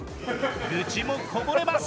愚痴もこぼれます！